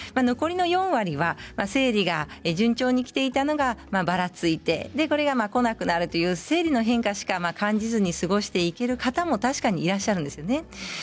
残りの４割は生理が順調にきていたのがばらついてこれが、こなくなってくるという生理の変化しか感じずに過ごしていく方も確かにいらっしゃいます。